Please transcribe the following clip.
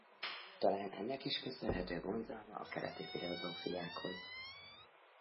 Talán ennek is köszönhető vonzalma a keleti filozófiákhoz.